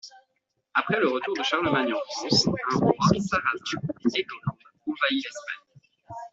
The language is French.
Après le retour de Charlemagne en France, un roi Sarrasin, Aigoland, envahit l'Espagne.